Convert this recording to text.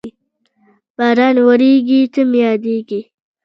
باران ورېږي، ته مې یادېږې